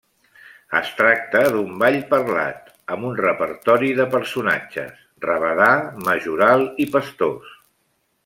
Es tracta d'un ball parlat, amb un repertori de personatges: rabadà, majoral i pastors.